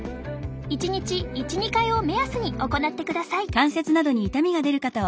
１日１２回を目安に行ってください。